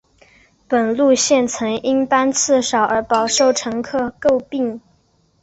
本路线曾因班次少而饱受乘客诟病。